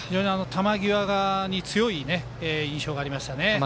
球際に強い印象がありましたね。